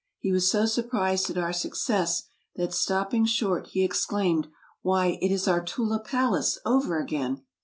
He was so surprised at our success that, stopping short, he exclaimed: "Why, it is our Tula palace over again!